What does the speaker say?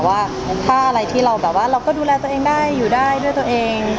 ถ้าอะไรที่เราก็ดูแลตัวเองได้อยู่ได้ด้วยตัวเอง